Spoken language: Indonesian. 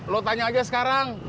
lu tanya aja sekarang